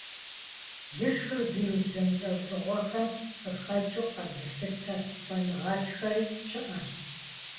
Лышхыр вирус зэмылӀэужьыгъуэхэм къыхэкӀыу къэзылъытэ щӀэныгъэлӀхэри щыӀэщ.